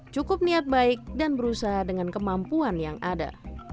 cukup niat baik dan berusaha dengan kemampuan yang ada